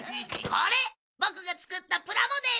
これボクが作ったプラモデル。